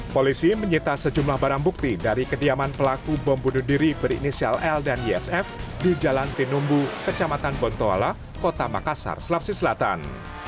polisi menyita sejumlah barang bukti dari kediaman pelaku bom bunuh diri berinisial l dan ysf di jalan tinumbu kecamatan bontoala kota makassar selapsi selatan